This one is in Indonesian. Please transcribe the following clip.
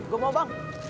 gue mau bang